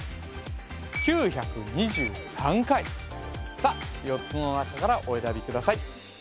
さっ４つの中からお選びください